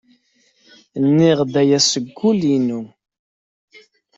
Nniɣ-d aya seg wul-inu.